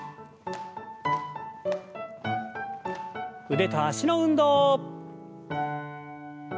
腕と脚の運動。